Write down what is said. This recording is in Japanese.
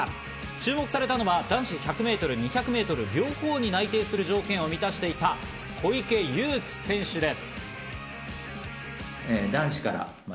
注目されたのは男子１００ｍ、２００ｍの両方に内定する条件を満たしていた小池祐貴選手です。